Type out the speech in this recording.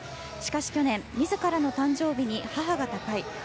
しかし去年自らの誕生日に母が他界。